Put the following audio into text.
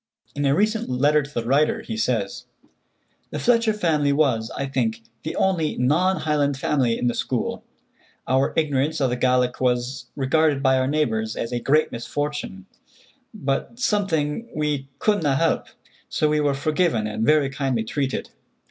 In a recent letter to the writer, he says: "The Fletcher family was, I think, the only non Highland family in the school. Our ignorance of the Gaelic was regarded by our neighbors as a great misfortune, but something we 'couldna help,' so we were forgiven and very kindly treated.